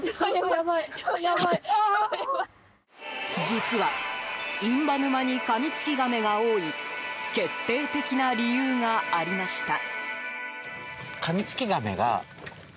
実は、印旛沼にカミツキガメが多い決定的な理由がありました。